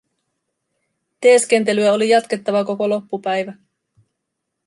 Teeskentelyä oli jatkettava koko loppu päivä.